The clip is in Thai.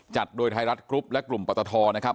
จัดโดยไทยรัฐกรุ๊ปและกลุ่มปตทนะครับ